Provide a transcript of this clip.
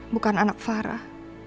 bukan anak farah